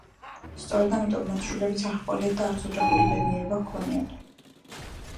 სწორედ ამიტომ, მათ შვილებიც არ ჰყოლიათ და არც ოჯახური ბედნიერება ჰქონიათ.